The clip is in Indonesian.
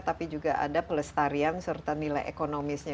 tapi juga ada pelestarian serta nilai ekonomisnya